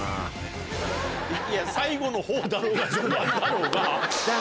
いや最後の方だろうが序盤だろうが。